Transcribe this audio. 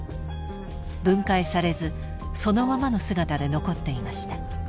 分解されずそのままの姿で残っていました。